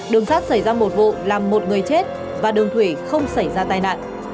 đường sắt xảy ra một vụ làm một người chết và đường thủy không xảy ra tai nạn